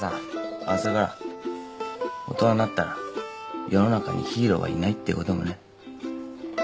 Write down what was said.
あっそれから大人になったら世の中にヒーローはいないってこともね。